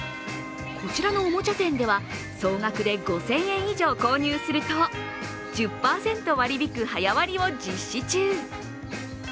こちらのおもちゃ店では、総額で５０００円以上購入すると、１０％割り引く早割を実施中。